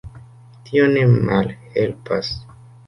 Tio ne malhelpas.